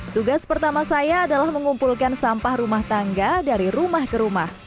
tugas pertama saya adalah mengumpulkan sampah rumah tangga dari rumah ke rumah